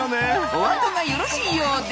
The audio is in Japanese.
おあとがよろしいようで。